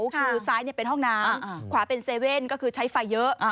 คือซ้ายเป็นห้องน้ำขวาเป็นเซเว่นก็คือใช้ไฟเยอะ